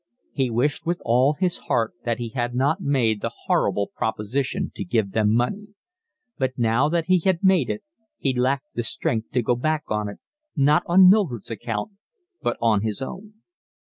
He wished with all his heart that he had not made the horrible proposition to give them money; but now that he had made it he lacked the strength to go back on it, not on Mildred's account, but on his own.